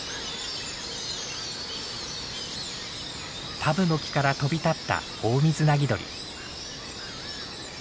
タブノキから飛び立ったオオミズナギドリ。